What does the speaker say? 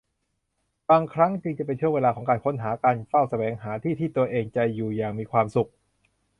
บางครั้งจึงจะเป็นช่วงเวลาของการค้นหา การเฝ้าแสวงหาที่ที่ตัวเองจะอยู่อย่างมีความสุข